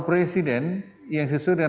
presiden yang sesuai dengan